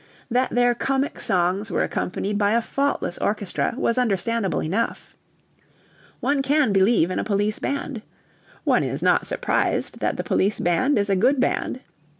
That their comic songs were accompanied by a faultless orchestra was understandable enough. One can believe in a police band. One is not surprised that the police band is a good band.